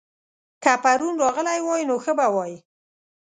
که پرون راغلی وای؛ نو ښه به وای